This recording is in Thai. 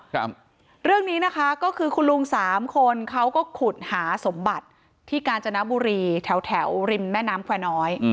เรื่องนี้นะคะก็คือคุณลุงสามคนเขาก็ขุดหาสมบัติที่กาญจนบุรีแถวแถวริมแม่น้ำแควร์น้อย